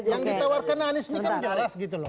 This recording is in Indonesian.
yang ditawarkan anies ini kan jelas gitu loh